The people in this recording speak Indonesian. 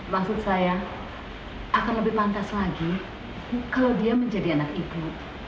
maksud saya akan lebih pantas lagi kalau dia menjadi anak ibu